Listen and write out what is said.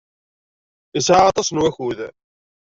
Yesɛa aṭas n wakud.